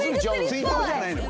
水筒じゃないの？